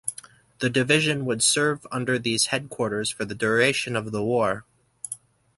The division would serve under these headquarters for the duration of the war.